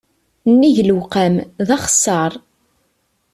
Nnig lewqam, d axeṣṣar.